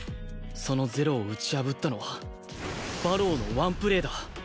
その０を打ち破ったのは馬狼のワンプレーだ。